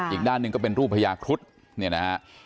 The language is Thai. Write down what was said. อีกด้านหนึ่งก็เป็นรูปพญาครุฑเนี่ยนะฮะ